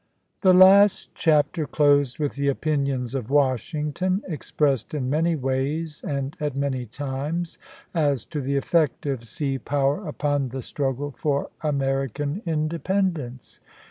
The last chapter closed with the opinions of Washington, expressed in many ways and at many times, as to the effect of sea power upon the struggle for American independence.